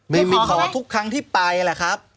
ไปขอทุกครั้งที่ไปแหละครับ